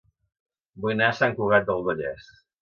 Vull anar a Sant Cugat del Vallès